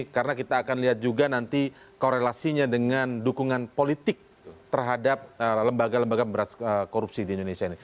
karena kita akan lihat juga nanti korelasinya dengan dukungan politik terhadap lembaga lembaga pemerintahan korupsi di indonesia ini